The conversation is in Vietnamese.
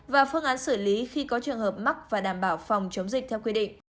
và phương án xử lý khi có trường hợp mắc và đảm bảo phòng chống dịch theo quy định